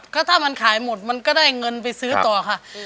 ก็ถ้ามันขายหมดมันก็ได้เงินไปซื้อต่อค่ะ